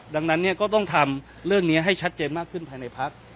ดังนั้นเนี่ยก็ต้องทำเรื่องนี้ให้ชัดเจนมากขึ้นภายในพัก